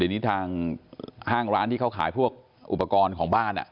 ทีนี้ทางห้างร้านที่เขาขายพวกอุปกรณ์ของบ้าน